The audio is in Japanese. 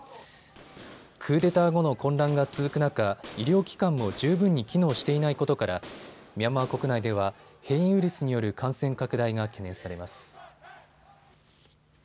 クーデター後の混乱が続く中、医療機関も十分に機能していないことからミャンマー国内では変異ウイルスによる感染拡大が懸念されます。